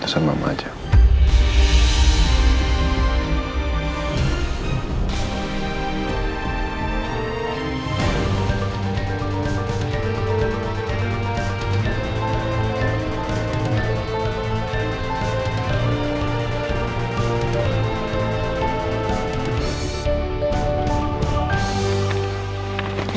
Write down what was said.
tapi masalah ini